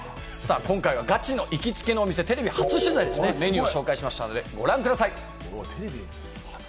今回、ガチの行きつけ店のテレビ初取材となるメニューを紹介しました、ご覧ください！